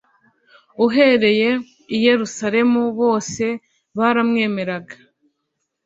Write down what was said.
Uhereye i Yerusalemu bose baramwemeraga.